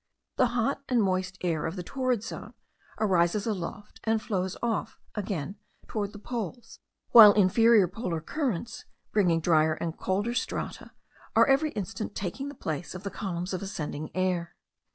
The hot and moist air of the torrid zone rises aloft, and flows off again towards the poles; while inferior polar currents, bringing drier and colder strata, are every instant taking the place of the columns of ascending air.